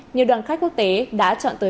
nhiều đoàn khách quốc tế đã chọn tới